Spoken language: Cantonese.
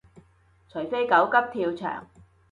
除非狗急跳墻